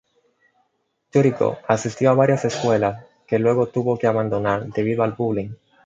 Yuriko asistió a varias escuelas que luego tuvo que abandonar debido a el bullying.